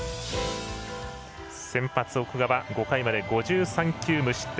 先発奥川、５回まで５３球無失点。